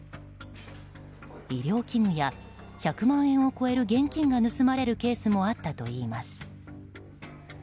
医療器具や１００万円を超える現金が盗まれるケースもあったといいます。